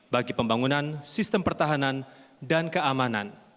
bagi pembangunan sistem pertahanan dan keamanan